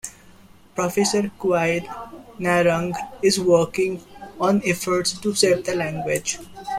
Professor Qian Nairong is working on efforts to save the language.